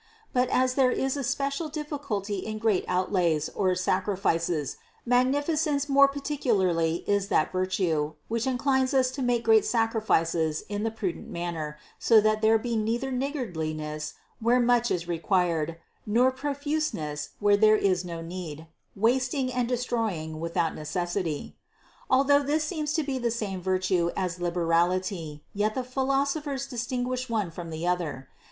But as there is a special dif ficulty in great outlays or sacrifices, magnificence more particularly is that virtue, which inclines us to make great sacrifices in the prudent manner, so that there be neither niggardliness, where much is required, nor profuseness where there is no need, wasting and destroying without necessity. Although this seems to be the same virtue as liberality, yet the philosophers distinguish one from the other.